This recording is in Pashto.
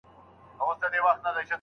آیا د نهنګ وزن د فیل تر وزن زیات دی؟